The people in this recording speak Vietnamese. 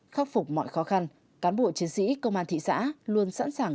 khắc phục mọi khó khăn cán bộ chiến sĩ công an thị xã luôn sẵn sàng